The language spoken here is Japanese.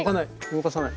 動かさない。